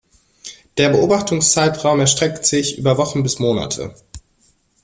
Der Beobachtungszeitraum erstreckt sich über Wochen bis Monate.